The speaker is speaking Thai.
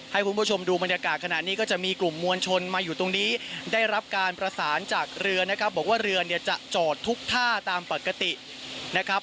ให้คุณผู้ชมดูบรรยากาศขณะนี้ก็จะมีกลุ่มมวลชนมาอยู่ตรงนี้ได้รับการประสานจากเรือนะครับบอกว่าเรือเนี่ยจะจอดทุกท่าตามปกตินะครับ